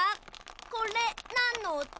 これなんのおと？